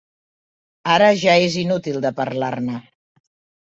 Ara ja és inútil de parlar-ne.